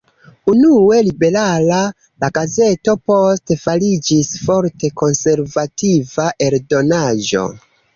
Unue liberala, la gazeto poste fariĝis forte konservativa eldonaĵo.